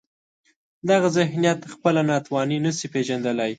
دغه ذهنیت خپله ناتواني نشي پېژندلای.